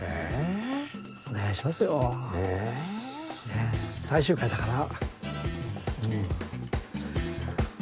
ねえ最終回だから。